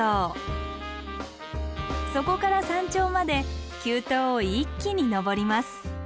そこから山頂まで急登を一気に登ります。